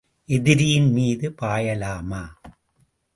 எதிரியின் மீது பாயலாமா?